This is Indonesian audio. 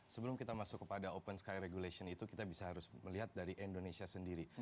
sebelum kita masuk kepada open sky regulation itu kita bisa harus melihat dari indonesia sendiri